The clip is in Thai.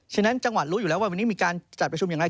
ฉะนั้นจังหวัดรู้อยู่แล้วว่าวันนี้มีการจัดประชุมอย่างไร